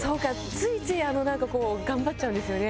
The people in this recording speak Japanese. ついついなんかこう頑張っちゃうんですよね。